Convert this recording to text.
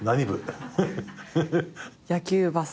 野球バスケ。